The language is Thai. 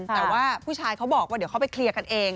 แต่ว่าผู้ชายเขาบอกว่าเดี๋ยวเขาไปเคลียร์กันเอง